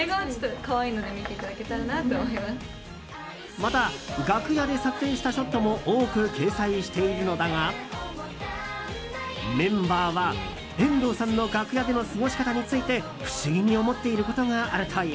また楽屋で撮影したショットも多く掲載しているのだがメンバーは遠藤さんの楽屋での過ごし方について不思議に思っていることがあるという。